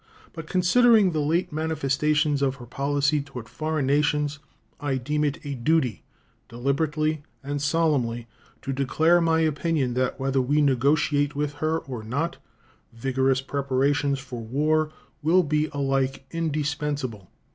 But considering the late manifestations of her policy toward foreign nations, I deem it a duty deliberately and solemnly to declare my opinion that whether we negotiate with her or not, vigorous preparations for war will be alike indispensable.